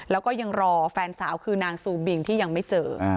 แล้วก็ยังรอแฟนสาวคือนางซูบิงที่ยังไม่เจอ